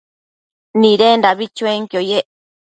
Nidendabi chuenquio yec